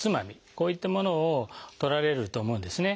こういったものをとられると思うんですね。